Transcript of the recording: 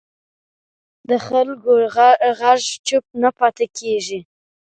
د خلکو غږ چوپ نه پاتې کېږي